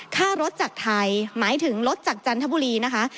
ค่ารถจากไทยหมายถึงรถจากจันทบุรีนะคะ